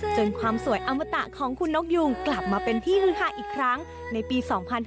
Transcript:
ความสวยอมตะของคุณนกยุงกลับมาเป็นที่ฮือฮาอีกครั้งในปี๒๕๕๙